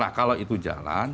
nah kalau itu jalan